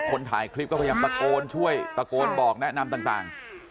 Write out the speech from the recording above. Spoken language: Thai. คนถ่ายคลิปก็พยายามตะโกนช่วยตะโกนบอกแนะนำต่าง